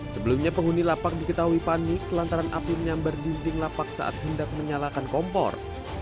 sebelumnya penghuni lapak diketahui panik lantaran api menyambar di dinding lapak saat hendak menyalakan kompor